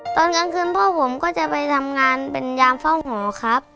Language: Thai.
ตอนกลางคืนพ่อผมก็จะไปทำงานเป็นยามเฝ้าหมอครับ